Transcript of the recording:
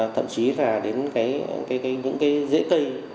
thậm chí là đến những cái dễ cây